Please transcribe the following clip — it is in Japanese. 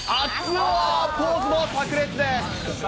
男ポーズもさく裂です。